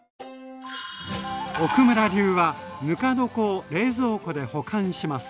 奥村流はぬか床を冷蔵庫で保管します。